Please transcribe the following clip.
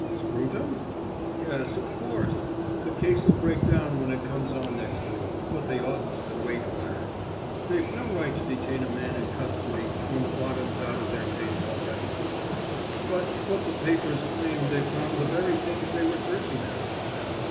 "Scruton?" "Yes. Of course, the case'll break down when it comes on next week, but they oughtn't to wait for that. They've no right to detain a man in custody when the bottom's out of their case already." "But but the papers claim they've found the very things they were searching for."